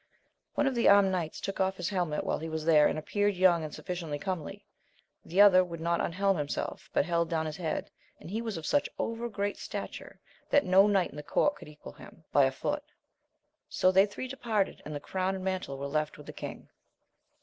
One of the armed knights took off his helmet while he was there, and appeared young and sufficiently comely ; the other would not unhelm him self, but held down his head, and he was of such over great stature that no knight in court could equal him. 16& AMADIS OF GAUL. by a foot. So they three departed, and the crown and mantle were left with the king.